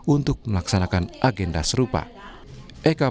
untuk melaksanakan agenda serupa